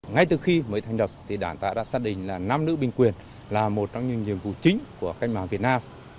ngay từ khi mới thành đập thì đảng ta đã xác định là nam nữ bình quyền là một trong những nhiệm vụ chính của cách mạng việt nam